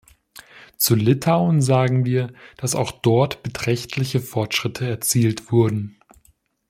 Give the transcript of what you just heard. Zu Litauen sagen wir, dass auch dort beträchtliche Fortschritte erzielt wurden.